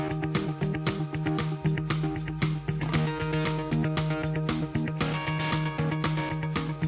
น้ำจีนเนี่ย๓น้ำยาอยู่ข้างหน้าเลยมี